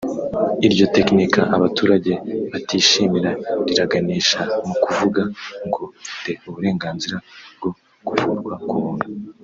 Iryo tekinika abaturage batishimira riraganisha mu kuvuga ngo mfite uburenganzira bwo kuvurwa ku buntu